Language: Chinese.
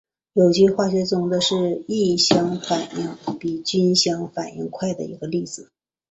有机化学中的是异相反应比均相反应快的一个例子。